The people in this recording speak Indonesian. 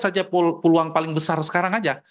saja peluang paling besar sekarang aja